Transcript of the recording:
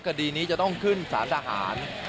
คดีนี้จะต้องขึ้นสารทหาร